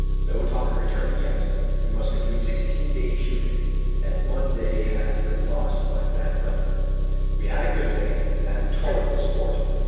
No talk of returning, yet. We must complete sixteen days shooting, and one day has been lost by bad weather. We had a good day, and tolerable sport.